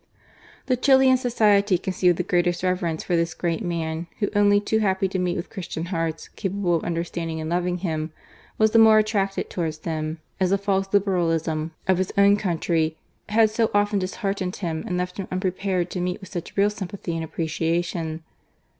The Chilian society conceived the greatest reverence for this great man, who, only too happy to meet with Christian hearts capable of under standing and loving him, was the more attracted towards them, as the false Liberalism of his own M X78 ' GARCIA MOREm. ^untiy had so often disheartened him and left him unprepared to meet with such real sympathy and appreciation.